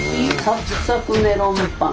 サクサクメロンパン。